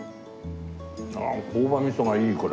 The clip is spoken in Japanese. ああ朴葉味噌がいいこれ。